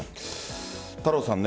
太郎さん